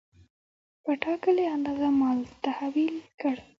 په ټاکلې اندازه مال تحویل کړ.